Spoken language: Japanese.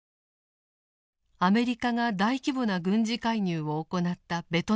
アメリカが大規模な軍事介入を行ったベトナム戦争。